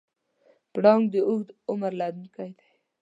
پړانګ د اوږده عمر لرونکی دی.